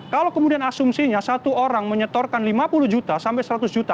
kalau kemudian asumsinya satu orang menyetorkan lima puluh juta sampai seratus juta